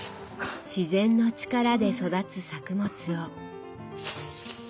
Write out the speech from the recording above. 自然の力で育つ作物を。